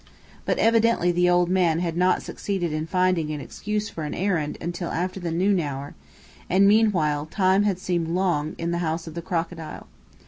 But evidently the old man had not succeeded in finding an excuse for an errand until after the noon hour, and meanwhile time had seemed long in the House of the Crocodile.